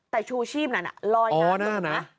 แต่ชูชีพนั้นลอยนั้น